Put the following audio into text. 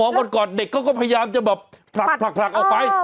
หอมกอดเด็กก็พยายามจะแบบหลักออกไป